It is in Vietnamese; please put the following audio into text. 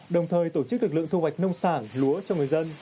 đồng thời tổ chức lực lượng thu hoạch nông sản lúa cho người dân